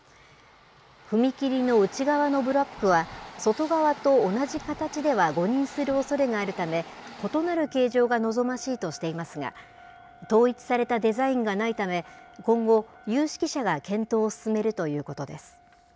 踏切の内側のブロックは、外側と同じ形では誤認するおそれがあるため、異なる形状が望ましいとしていますが、統一されたデザインがないため、今後、有識者が検討を進めるということです。